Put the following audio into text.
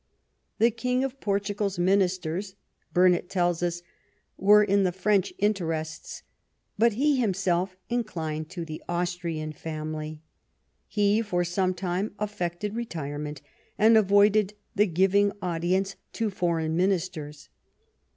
The King of Portugal's ministers, Burnet tells us, " were in the French interests, but he himself inclined to the Austrian family. He for some time affected retire ment, and avoided the giving audience to foreign min isters.